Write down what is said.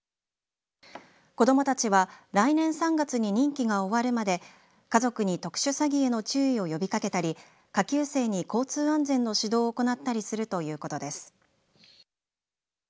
子どもたちは来年３月に任期が終わるまで家族に特殊詐欺への注意を呼びかけたり下級生に交通安全の指導を行ったりするということです。